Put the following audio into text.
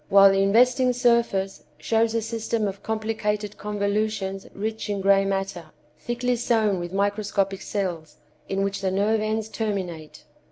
while the investing surface shows a system of complicated convolutions rich in gray matter, thickly sown with microscopic cells, in which the nerve ends terminate.